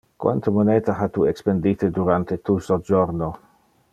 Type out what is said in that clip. Quante moneta ha tu expendite durante tu sojorno?